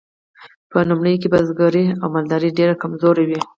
په لومړیو کې بزګري او مالداري ډیرې کمزورې وې.